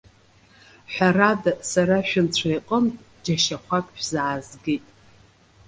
Ҳәарада, сара шәынцәа иҟынтә џьашьахәак шәзаазгеит.